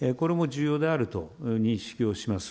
これも重要であると認識します。